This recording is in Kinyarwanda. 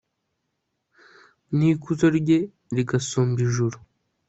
n'ikuzo rye rigasumba ijuru